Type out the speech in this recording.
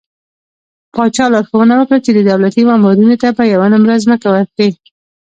پاچا لارښوونه وکړه چې د دولتي مامورينو ته به يوه نمره ځمکه ورکړي .